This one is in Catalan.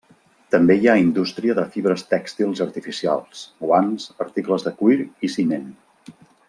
També hi ha indústria de fibres tèxtils artificials, guants, articles de cuir i ciment.